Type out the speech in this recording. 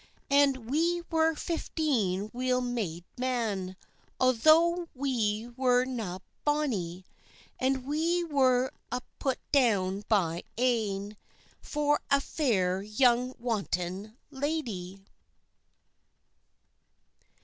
And we were fifteen weel made men, Altho' we were na bonny; And we were a' put down but ane, For a fair young wanton lady.